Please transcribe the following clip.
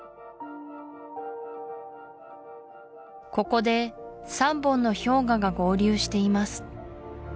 ここで３本の氷河が合流しています